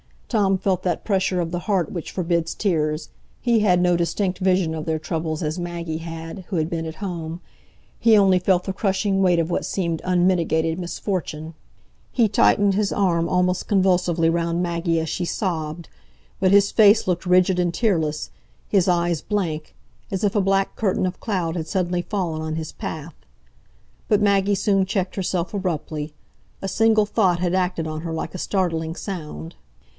Tom felt that pressure of the heart which forbids tears; he had no distinct vision of their troubles as Maggie had, who had been at home; he only felt the crushing weight of what seemed unmitigated misfortune. He tightened his arm almost convulsively round Maggie as she sobbed, but his face looked rigid and tearless, his eyes blank,—as if a black curtain of cloud had suddenly fallen on his path. But Maggie soon checked herself abruptly; a single thought had acted on her like a startling sound.